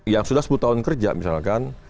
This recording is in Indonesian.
yang sudah sepuluh tahun kerja misalkan